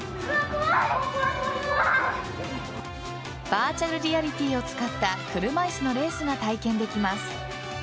バーチャルリアリティーを使った車いすのレースが体験できます。